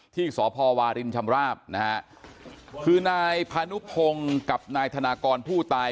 ที่สพวารินชำราบนะฮะคือนายพานุพงศ์กับนายธนากรผู้ตาย